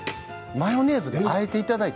マヨネーズで、あえていただいて。